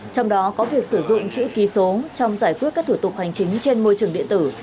trong đó có việc sử dụng chữ ký số trong giải quyết các thủ tục hành chính trên môi trường điện tử